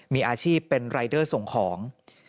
มีอาชีพเป็นรายเดอร์ส่งของ